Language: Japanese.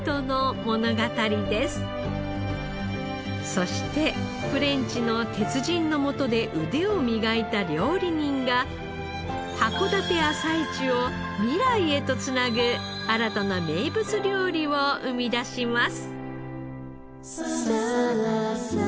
そしてフレンチの鉄人のもとで腕を磨いた料理人が函館朝市を未来へと繋ぐ新たな名物料理を生み出します。